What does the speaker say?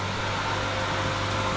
tuh dimakan juga